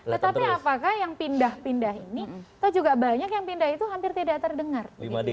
tetapi apakah yang pindah pindah ini atau juga banyak yang pindah itu hampir tidak terdengar